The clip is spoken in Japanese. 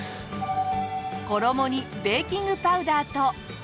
衣にベーキングパウダーと。